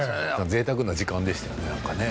贅沢な時間でしたよねなんかね。